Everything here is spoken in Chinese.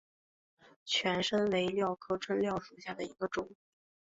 拳参为蓼科春蓼属下的一个种。